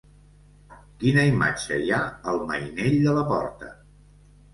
Quina imatge hi ha al mainell de la porta?